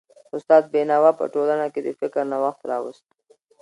استاد بينوا په ټولنه کي د فکر نوښت راوست.